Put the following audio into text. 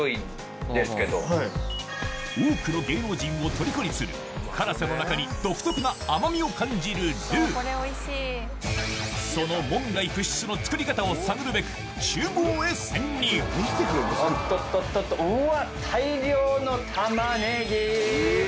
多くの芸能人をとりこにするその門外不出の作り方を探るべく厨房へ潜入おっとっとうわ。